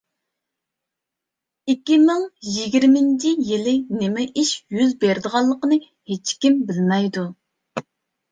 ئىككى مىڭ يىگىرمىنچى يىلى نېمە ئىش يۈز بېرىدىغانلىقىنى ھېچكىم بىلمەيدۇ.